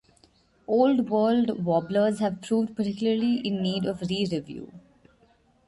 Old World warblers have proved particularly in need of re-review.